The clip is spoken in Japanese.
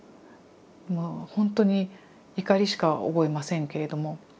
もうほんとに怒りしか覚えませんけれども。